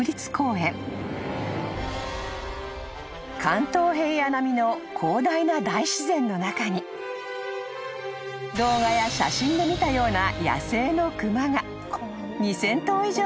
［関東平野並みの広大な大自然の中に動画や写真で見たような］